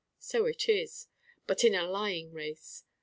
So it is: but in a lying race.